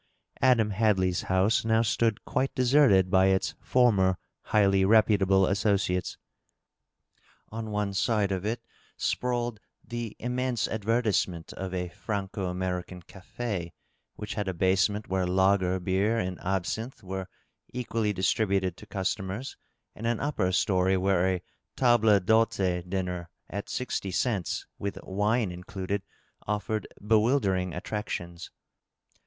Adam Hadley's house now stood quite deserted by its former highly reputable associates. On one side of it sprawled the immense advertisement of a Franco American cafi, which had a basement where lager beer and absinthe were equally distributed to customers, and an upper story where a table d'hdte dinner at sixty cents, with wine included, offered bewildering attractions.